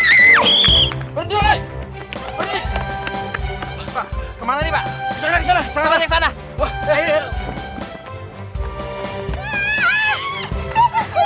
ini dia dong